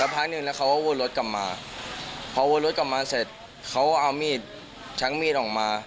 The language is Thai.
พอรถรถกลับมาเสร็จเขาเอามีดช้างมีดออกมา